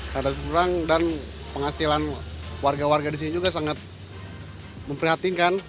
sangat kurang dan penghasilan warga warga di sini juga sangat memprihatinkan